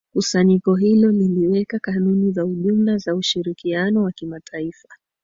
Kusanyiko hilo liliweka kanuni za ujumla za ushirikiano wa kimataifa